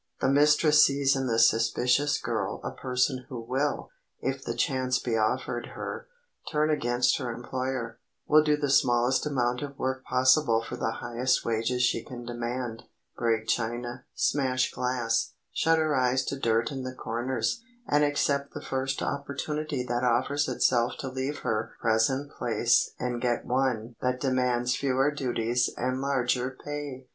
The mistress sees in the suspicious girl a person who will, if the chance be offered her, turn against her employer, will do the smallest amount of work possible for the highest wages she can demand; break china, smash glass, shut her eyes to dirt in the corners, and accept the first opportunity that offers itself to leave her present place and get one that demands fewer duties and larger pay.